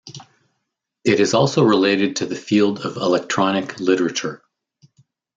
It is also related to the field of electronic literature.